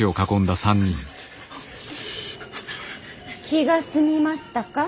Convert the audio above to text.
・気が済みましたか。